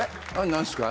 何すか？